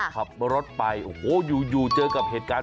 ขับรถไปโอ้โหอยู่เจอกับเหตุการณ์